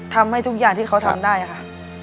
ทำให้ทุกอย่างที่เขาทำได้ค่ะ